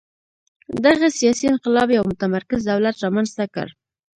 دغه سیاسي انقلاب یو متمرکز دولت رامنځته کړ.